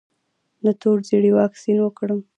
د تور ژیړي واکسین وکړم؟